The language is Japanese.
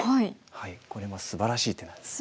これもすばらしい手なんです。